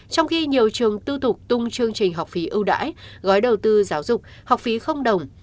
trong khi nhiều trường tư thục tung chương trình học phí ưu đãi gói đầu tư giáo dục học phí không đồng